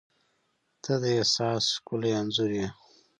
• ته د احساس ښکلی انځور یې.